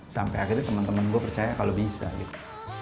sampai akhirnya temen temen gue percaya kalo bisa gitu